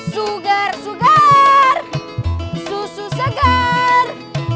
sugar sugar susu segar